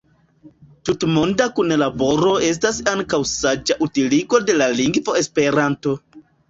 Tutmonda kunlaboro estas ankaŭ saĝa utiligo de la lingvo Esperanto.